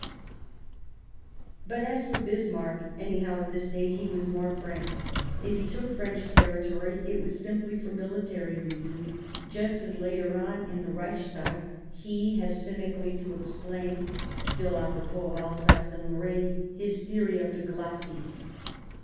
133 Bismarck But as for Bismarck, anyhow at this date, he was more frank ; if he took French territory, it was simply for military reasons, just as, later on, in the Reichstag, he has cynically to explain — still ^s.,^^^^ apropos of Alsace and Lorraine — his theory of the ""'^glacis."